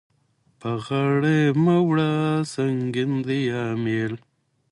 په غاړه يې مه وړه سنګين دی امېل.